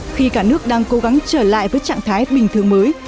khi cả nước đang cố gắng trở lại với trạng thái bình thường mới